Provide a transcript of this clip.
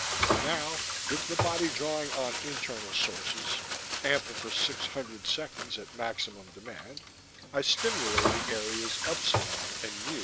_ _Now, with the body drawing on internal sources, ample for six hundred seconds at maximum demand, I stimulated areas upsilon and mu.